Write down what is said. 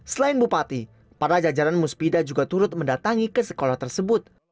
selain bupati para jajaran musbida juga turut mendatangi ke sekolah tersebut